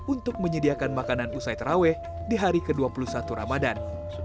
untuk menyediakan makanan usai terawih di hari ke dua puluh satu ramadan